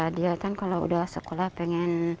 dia kan kalau udah sekolah pengen